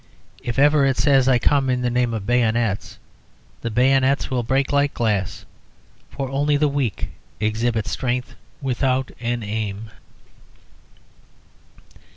If ever it says, "I come in the name of bayonets," the bayonets will break like glass, for only the weak exhibit strength without an aim.